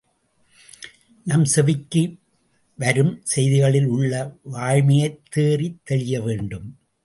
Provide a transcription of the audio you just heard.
நம் செவிக்கு வரும் செய்திகளில் உள்ள வாய்மையைத் தேறித் தெளியவேண்டும்.